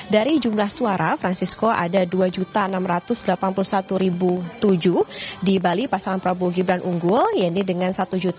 dari jumlah suara francisco ada dua enam ratus delapan puluh satu tujuh di bali pasangan prabowo gibraltar unggul ya ini dengan satu empat ratus lima puluh empat enam ratus empat puluh